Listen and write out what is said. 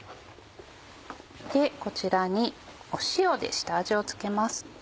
こちらに塩で下味を付けます。